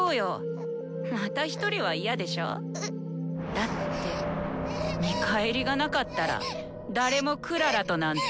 だって見返りがなかったら誰もクララとなんて。